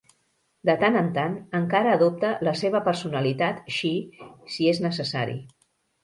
De tant en tant, encara adopta la seva personalitat Shi si és necessari.